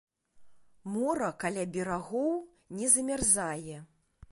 Мора каля берагоў не замярзае.